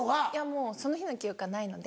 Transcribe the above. もうその日の記憶はないので。